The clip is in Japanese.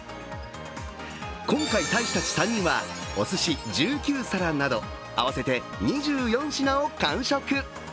今回、大使たち３人はおすし１９皿など、合わせて２４品を完食。